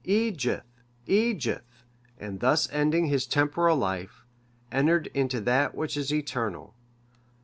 Eadgyth! Eadgyth! and thus ending his temporal life, entered into that which is eternal.